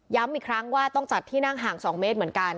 อีกครั้งว่าต้องจัดที่นั่งห่าง๒เมตรเหมือนกัน